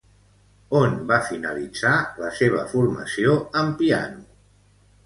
On va finalitzar la seva formació en piano?